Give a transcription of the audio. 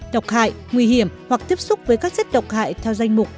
độc hại nguy hiểm hoặc tiếp xúc với các chất độc hại theo danh mục